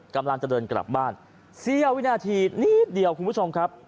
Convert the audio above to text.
กำลังจะเดินกลับบ้านเสี้ยววินาทีนิดเดียวคุณผู้ชมครับ